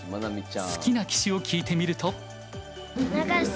好きな棋士を聞いてみると。